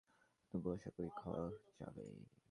তবুও আশাকরি খাওয়া যাবে।